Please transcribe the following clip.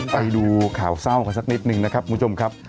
ไปดูข่าวเศร้ากันสักนิดนึงนะครับคุณผู้ชมครับ